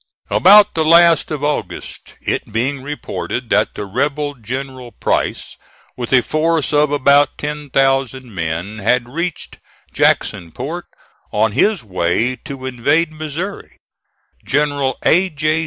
About the last of August, it being reported that the rebel General Price, with a force of about ten thousand men, had reached Jacksonport, on his way to invade Missouri, General A. J.